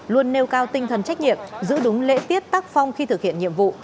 luôn nêu cao tinh thần trách nhiệm giữ đúng lễ tiết tác phong khi thực hiện nhiệm vụ